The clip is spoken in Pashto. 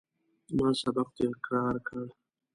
ما سبق تکرار کړ.